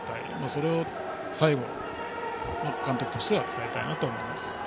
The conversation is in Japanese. それを最後、元監督としては伝えたいなと思います。